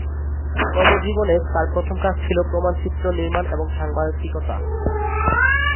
কর্মজীবনে তার প্রথম কাজ ছিল প্রামাণ্যচিত্র নির্মাণ এবং সাংবাদিকতা।